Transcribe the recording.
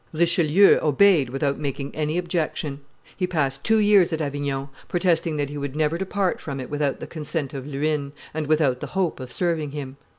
Richelieu obeyed without making any objection; he passed two years at Avignon, protesting that he would never depart from it without the consent of Luynes and without the hope of serving him.